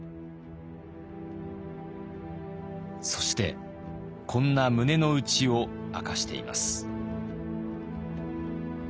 そしてこんな胸の内を明かしています。